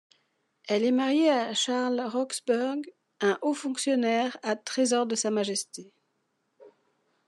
Elle est mariée à Charles Roxburgh, un haut fonctionnaire à Trésor de Sa Majesté.